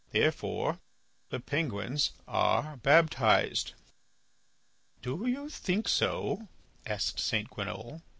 Therefore the penguins are baptized." "Do you think so?" asked St. Guénolé.